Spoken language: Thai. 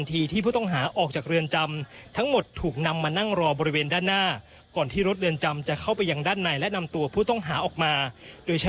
แต่ว่าตอนนี้จำเลยทั้งหมด